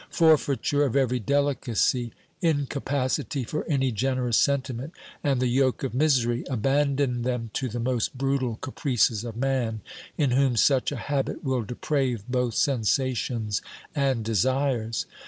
Forfeiture of every delicacy, incapacity for 266 OBERMANN any generous sentiment, and the yoke of misery, abandon them to the most brutal caprices of man, in whom such a habit will deprave both sensations and desires.